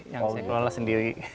yang saya kelola sendiri